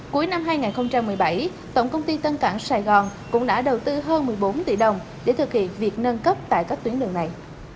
cuối năm hai nghìn một mươi bảy tổng công ty tân cảng sài gòn cũng đã đầu tư hơn một mươi bốn tỷ đồng để thực hiện việc nâng cấp tại các tuyến đường này